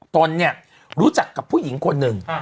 ตนเนี่ยรู้จักกับผู้หญิงคนหนึ่ง